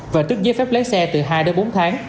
và tức giấy phép lái xe từ hai đến bốn tháng